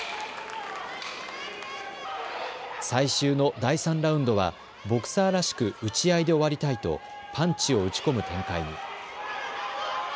最終の第３ラウンドはボクサーらしく打ち合いで終わりたいとパンチを打ち込む展開に。